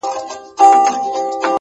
موري ډېوه دي ستا د نور د شفقت مخته وي؛